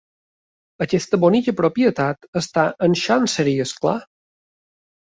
Aquesta bonica propietat està en Chancery, és clar.